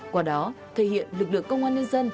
qua đó thể hiện lực lượng công an nhân dân